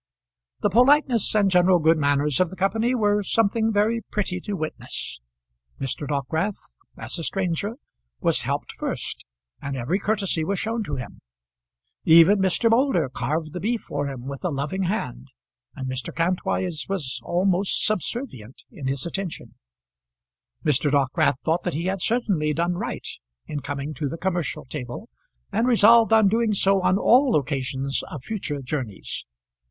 The politeness and general good manners of the company were something very pretty to witness. Mr. Dockwrath, as a stranger, was helped first, and every courtesy was shown to him. Even Mr. Moulder carved the beef for him with a loving hand, and Mr. Kantwise was almost subservient in his attention. Mr. Dockwrath thought that he had certainly done right in coming to the commercial table, and resolved on doing so on all occasions of future journeys.